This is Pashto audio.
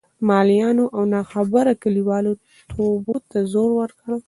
ملایانو او ناخبره کلیوالو توبو ته زور ورکړ.